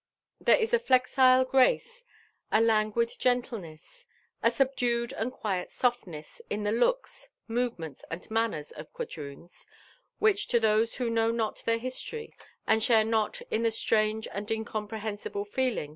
Thei^. is a flexile grace, a languid gentleness, a subdued and<]uict softness, in the looks, movements, and manners of quadroons, which to those who know not their history, and share not in the strange and incomprehensible feel* ing